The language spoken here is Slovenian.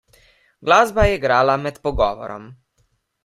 Glasba je igrala med pogovorom.